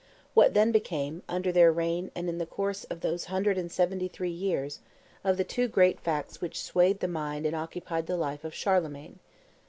What then became, under their reign and in the course of those hundred and seventy three years, of the two great facts which swayed the mind and occupied the life of Charlemagne?